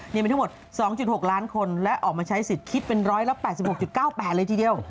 มีทั้งหมด๒๖ล้านคนและออกมาใช้สิทธิ์คิดเป็น๑๘๖๙๘เลยทีเดียว